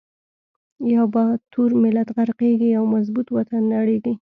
یو با تور ملت غر قیږی، یو مظبو ط وطن نړیزی